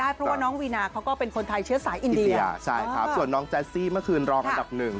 เพราะว่าน้องวีนาเขาก็เป็นคนไทยเชื้อสายอินโดนีเซียใช่ครับส่วนน้องแจซี่เมื่อคืนรองอันดับหนึ่ง